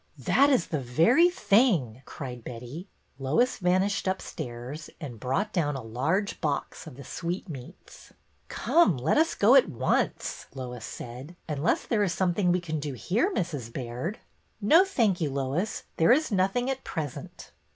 That is the very thing," cried Betty. Lois vanished upstairs, and brought down a large box of the sweetmeats. Come, let us go at once," Lois said, '' unless there is something we can do here, Mrs. Baird." No, thank you, Lois ; there is nothing at present."